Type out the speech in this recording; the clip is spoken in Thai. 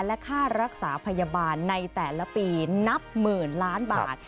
และค่ารักษาพยาบาลในแต่ละปีนับหมื่นล้านบาท